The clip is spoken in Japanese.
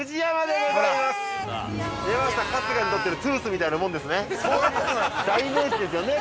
出ました、春日にとってのトゥースみたいなもんですよね。